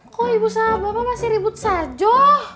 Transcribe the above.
kok ibu sahabat masih ribut saja